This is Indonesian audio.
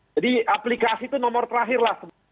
jadi aplikasi itu nomor terakhirlah